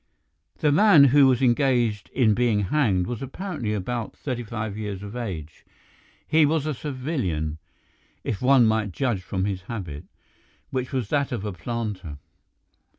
The man who was engaged in being hanged was apparently about thirty five years of age. He was a civilian, if one might judge from his habit, which was that of a planter.